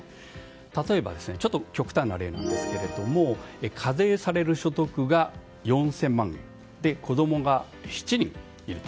例えば、ちょっと極端な例ですが課税される所得が４０００万円で子供が７人いると。